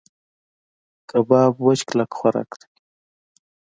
کباب وچ کلک خوراک دی.